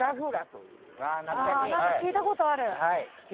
何か聞いたことある。